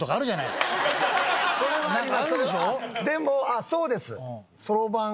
でもあっそうです。